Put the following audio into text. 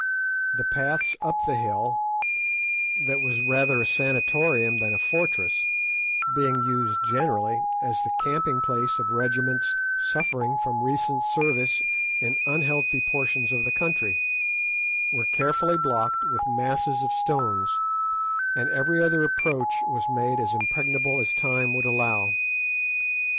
The paths up the hill—that was rather a sanatorium than a fortress, being used generally as the camping place of regiments suffering from recent service in unhealthy portions of the country—were carefully blocked with masses of stones, and every other approach was made as impregnable as time would allow.